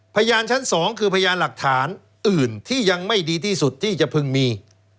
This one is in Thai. พยานชั้น๒คือพยานหลักฐานอื่นที่ยังไม่ดีที่สุดที่จะพึงมี